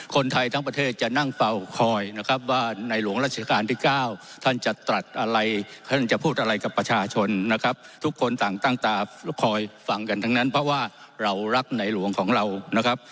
คนไทยทั้งประเทศจะนั่งเฝ้าคอยนะครับว่าในหลวงราชการที่๙ท่านจะตรัสอะไรท่านจะพูดอะไรกับประชาชนนะครับทุกคนต่างตั้งตาคอยฟังกันทั้งนั้นเพราะว่าเรารักในหลวงของเรานะครับ